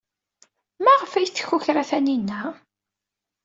Maɣef ay tkukra Taninna?